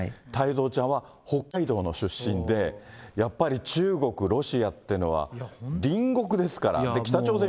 太蔵ちゃんは北海道の出身で、やっぱり中国、ロシアっていうのは隣国ですから。